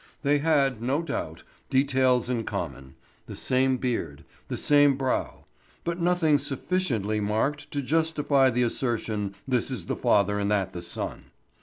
They had, no doubt, details in common; the same beard, the same brow; but nothing sufficiently marked to justify the assertion: "This is the father and that the son."